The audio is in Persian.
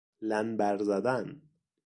لنبر زدن